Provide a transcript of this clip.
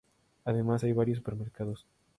Además hay varios supermercados.